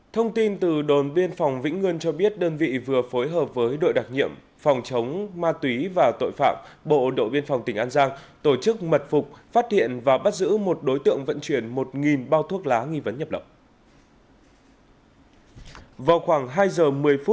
thông tin từ đồn biên phòng vĩnh ngươn cho biết đơn vị vừa phối hợp với đội đặc nhiệm phòng chống ma túy và tội phạm bộ đội biên phòng tỉnh an giang tổ chức mật phục phát hiện và bắt giữ một đối tượng vận chuyển một bao thuốc lá nghi vấn nhập lậu